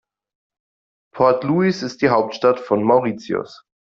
Port Louis ist die Hauptstadt von Mauritius.